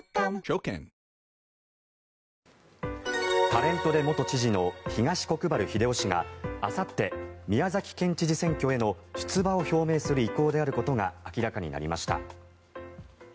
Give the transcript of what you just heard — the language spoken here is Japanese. タレントで元知事の東国原英夫氏があさって、宮崎県知事選への出馬を表明する意向であることが明らかになりました。